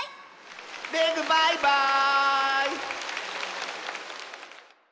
レグバイバーイ！